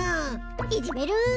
いぢめる？